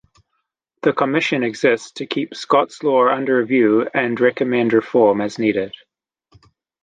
The Commission exists to keep Scots law under review and recommend reform as needed.